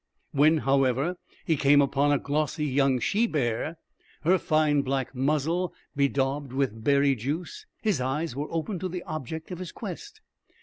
When, however, he came upon a glossy young she bear, her fine black muzzle bedaubed with berry juice, his eyes were opened to the object of his quest.